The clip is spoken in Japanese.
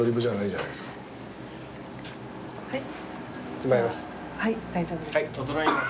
はいはい大丈夫です。